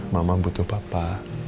mama butuh papa